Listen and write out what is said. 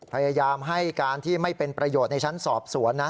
พยายามให้การที่ไม่เป็นประโยชน์ในชั้นสอบสวนนะ